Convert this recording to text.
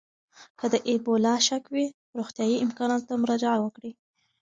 که د اېبولا شک وي، روغتیايي امکاناتو ته مراجعه وکړئ.